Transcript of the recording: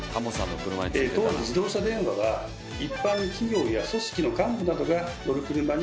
当時自動車電話は一般企業や組織の幹部などが乗る車に多く設置されました。